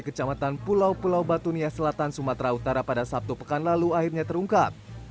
kecamatan pulau pulau batunia selatan sumatera utara pada sabtu pekan lalu akhirnya terungkap